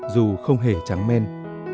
dù không hề trắng men